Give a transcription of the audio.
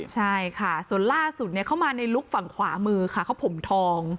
ใช่ค่ะส่วนล่าสุดเข้ามาในลุคฝั่งขวามือค่ะเขาผมทอง